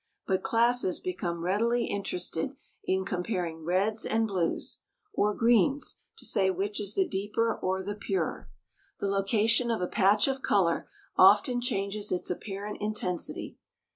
But classes become readily interested in comparing reds, and blues, or greens to say which is the deeper or the purer. The location of a patch of color often changes its apparent intensity.